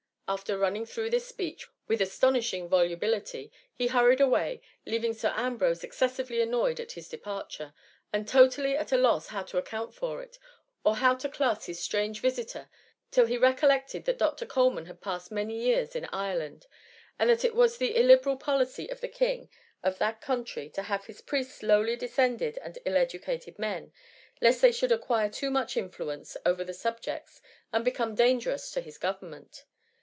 ^^ After running through this speech with asto nishing volubility, he hurried away, leaving Sir Ambrose excessively annoyed at his departure ; and totally at a loss how to account for it, or how to class his strange visitor, till he recol lected that Ur. Coleman had passed many years in Ireland ; and that it was the illiberal policy of THE MUMMY. 151 the king of that country to have his priests lowly descended and ill educated men, lest they should acquire too much influence over his sub jects, and become dangerous to his goyemment.